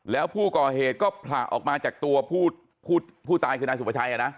แล้วผู้ก่อเหตุก็ผละออกมาจากตัวผู้ตายคือนายสุภาชัย